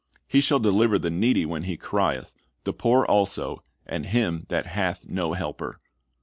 "^ "He shall deliver the needy when he crieth; the poor also, and him that hath no helper."'"'